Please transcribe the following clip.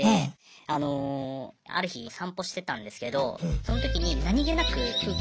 あのある日散歩してたんですけどその時に何気なく風景